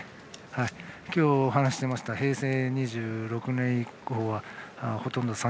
今日、話しました平成２６年以降はほとんど。